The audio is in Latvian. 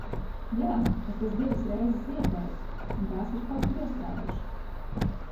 Jā, bet es divas reizes ieteicu, un tās ir kaut kur iestrēgušas.